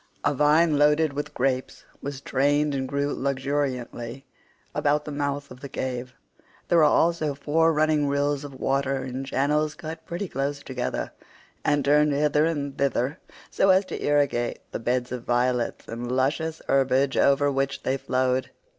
A vine loaded with grapes was trained and grew luxuriantly about the mouth of the cave; there were also four running rills of water in channels cut pretty close together, and turned hither and thither so as to irrigate the beds of violets and luscious herbage over which they flowed.